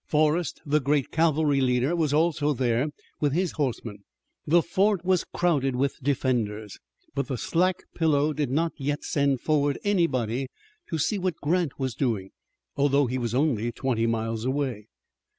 Forrest, the great cavalry leader, was also there with his horsemen. The fort was crowded with defenders, but the slack Pillow did not yet send forward anybody to see what Grant was doing, although he was only twenty miles away.